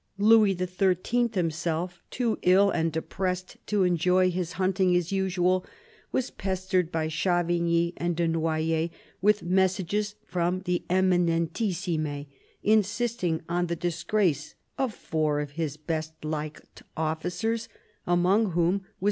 Louis XHL, himself too ill and depressed to enjoy his hunting as usual, was pestered by Chavigny and de Noyers with messages from the Eminentissime, insisting on the disgrace of four of his best liked officers — among whom was M.